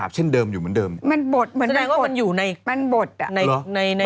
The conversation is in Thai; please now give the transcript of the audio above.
อยู่เหมือนเดิมมันบดเหมือนมันอยู่ในมันบดอ่ะหรอในในใน